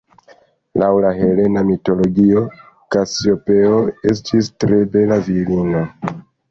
Laŭ la helena mitologio Kasiopeo estis tre bela virino.